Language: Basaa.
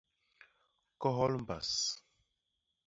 Kohol mbas.